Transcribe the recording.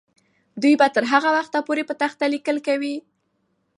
دوی به تر هغه وخته پورې په تخته لیکل کوي.